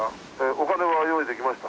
お金は用意できました？